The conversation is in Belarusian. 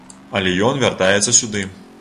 Але ён вяртаецца сюды.